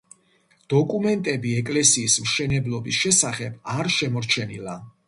დოკუმენტები ეკლესიის მშენებლობის შესახებ არ შემორჩენილა.